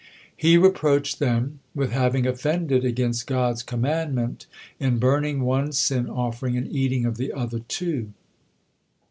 He reproached them with having offended against God's commandment in burning one sin offering and eating of the other two.